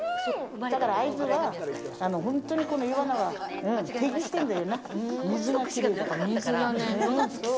だから会津は、本当にこのイワナは適してんだよな、水がね。